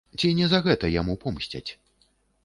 Ці не за гэта яму помсцяць?